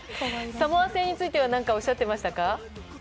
サモア戦については何かおっしゃっていましたか？